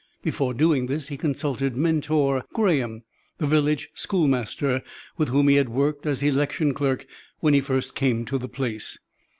Before doing this he consulted Mentor Graham, the village schoolmaster, with whom he had worked as election clerk when he first came to the place.